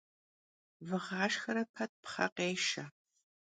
Vığaşşxere pet pxhe khêşşe.